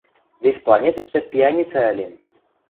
Вес планетӹштӹ пиӓницӓ ӹлен.